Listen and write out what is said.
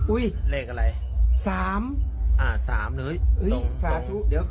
อุ้ยเลขอะไร๓อ่า๓อุ้ย